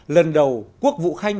lần đầu quốc vũ khanh